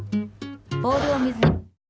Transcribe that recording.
ボールを水に。